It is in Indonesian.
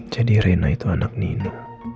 jadi reina itu anak nino